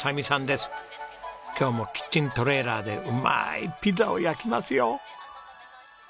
今日もキッチントレーラーでうまいピザを焼きますよ。